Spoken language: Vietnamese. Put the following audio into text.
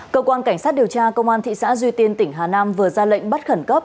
cơ quan cảnh sát điều tra công an thị xã duy tiên tỉnh hà nam vừa ra lệnh bắt khẩn cấp